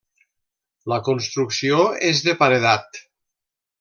La construcció és de paredat.